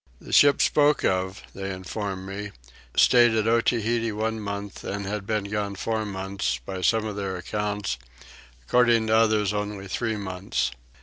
The ship spoken of, they informed me, stayed at Otaheite one month and had been gone four months, by some of their accounts; according to others only three months.